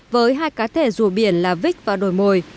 với hai cá thể rùa biển là vích và đồi mồi